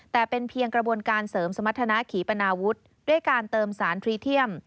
แต่เป็นเพียงกระบวนการเสริมสมรรถนาขีปนาวุฒิด้วยการเติมสารพรีเทียม